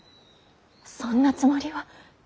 そんなつもりは。